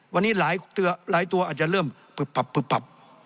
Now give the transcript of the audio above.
วันนี้หลายตัวอาจจะเริ่มปึบผับ